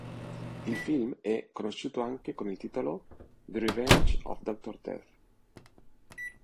Il film è conosciuto anche con il titolo The Revenge of Dr. Death.